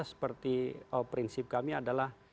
seperti prinsip kami adalah